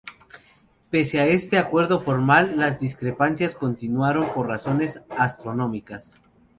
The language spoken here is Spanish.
Pese a este acuerdo formal, las discrepancias continuaron por razones astronómicas.